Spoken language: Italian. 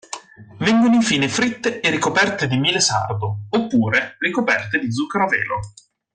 Vengono infine fritte e ricoperte di miele sardo, oppure ricoperte di zucchero a velo.